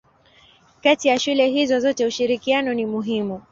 Kati ya shule hizo zote ushirikiano ni muhimu.